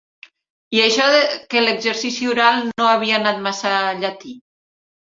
I això que l'exercici oral no havia anat massa llatí